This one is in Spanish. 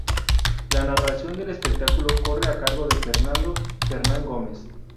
La narración del espectáculo corre a cargo de Fernando Fernán Gómez.